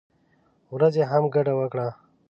ورځې هم ګډه وکړه.